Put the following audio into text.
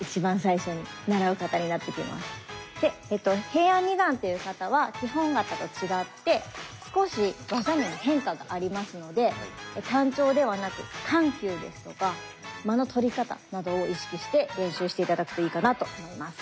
平安二段っていう形は基本形と違って少し技にも変化がありますので単調ではなく緩急ですとか間の取り方などを意識して練習して頂くといいかなと思います。